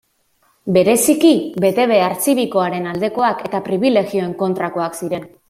Bereziki betebehar zibikoaren aldekoak eta pribilegioen kontrakoak ziren.